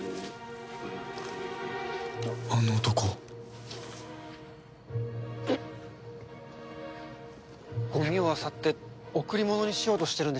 あの男ゴミをあさって贈り物にしようとしてるんでしょうか？